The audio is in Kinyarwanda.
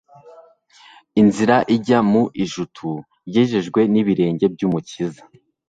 Inzira ijya mu ijutu yejejwe n'ibirenge by'Umukiza.